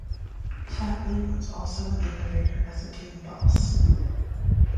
Chapman was also an innovator as a team boss.